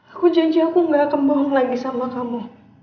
aku janji aku gak akan bohong lagi sama kamu